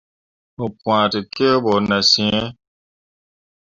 Mo pwãa tekǝbo nah sǝǝ.